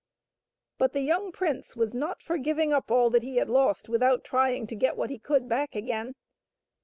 But the young prince was not for giving up all that he had lost, without trying to get what he could back again.